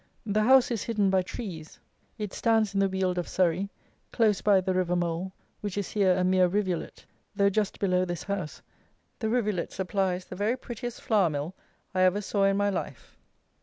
The house is hidden by trees. It stands in the Weald of Surrey, close by the River Mole, which is here a mere rivulet, though just below this house the rivulet supplies the very prettiest flour mill I ever saw in my life.